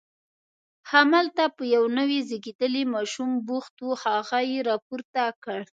همالته په یو نوي زیږېدلي ماشوم بوخت و، هغه یې راپورته کړ.